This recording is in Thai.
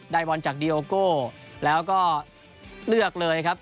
บอลจากดีโอโก้แล้วก็เลือกเลยครับ